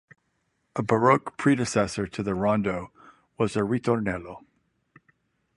A Baroque predecessor to the rondo was the ritornello.